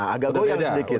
agak goyang sedikit